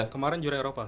kemaren juara eropa